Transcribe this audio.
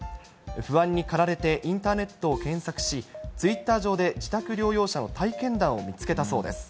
不安に駆られて、インターネットを検索し、ツイッター上で自宅療養者の体験談を見つけたそうです。